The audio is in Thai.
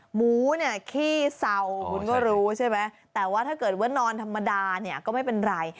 หมูเนี่ยขี้เศร้าคุณก็รู้ใช่ไหมแต่ว่าถ้าเกิดว่านอนธรรมดาเนี่ยก็ไม่เป็นไร